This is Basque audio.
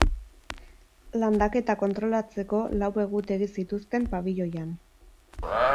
Landaketa kontrolatzeko lau egutegi zituzten pabiloian.